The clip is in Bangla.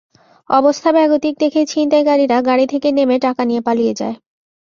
অবস্থা বেগতিক দেখে ছিনতাইকারীরা গাড়ি থেকে নেমে টাকা নিয়ে পালিয়ে যায়।